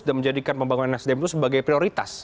dan menjadikan pembangunan sdm itu sebagai prioritas